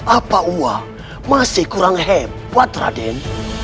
apa uang masih kurang hebat raden